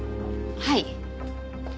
はい。